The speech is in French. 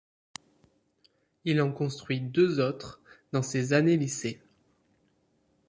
Il en construit deux autres dans ses années lycée.